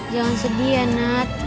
jangan sedih ya nat